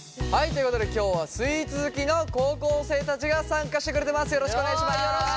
ということで今日はスイーツ好きの高校生たちが参加してくれてます。